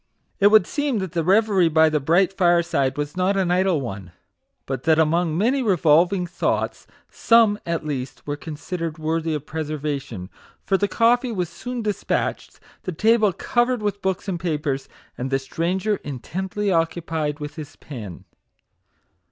It would seem that the reverie by the bright fireside was not an idle one, but that among many revolving thoughts, some, at least, were considered worthy of preservation ; for the coffee was soon despatched, the table covered with books and papers, and the stranger intently occupied with his pen.